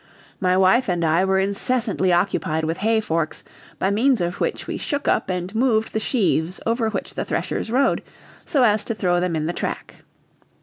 My wife and I were incessantly occupied with hay forks, by means of which we shook up and moved the sheaves over which the threshers rode, so as to throw them in the track.